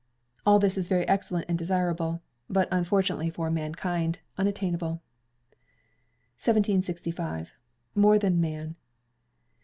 All this is very excellent and desirable; but, unfortunately for mankind, unattainable. 1765. More than Man.